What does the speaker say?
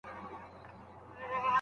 هغه کس ولي زموږ څخه ندی چي خادم پاروي؟